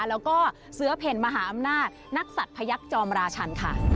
แล้วก็เสือเพ่นมหาอำนาจนักศัตริย์พยักษ์จอมราชันค่ะ